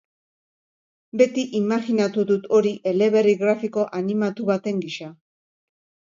Beti imajinatu dut hori eleberri grafiko animatu baten gisa.